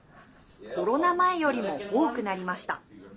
コロナ前よりも多くなりました。